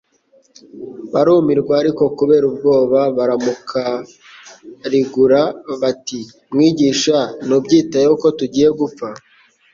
Barumirwa, ariko kubera ubwoba baramukarigura bati : "Mwigisha ntubyitayeho ko tugiye gupfa ?"